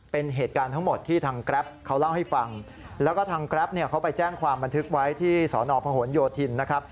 เป็นเหตุการณ์ทั้งหมดที่ทางแกรปเขาเล่าให้ฟังแล้วก็ทางแกรปเนี่ยเขาไปแจ้งความบันทึกไว้ที่สอนอพหนโยธินนะครับ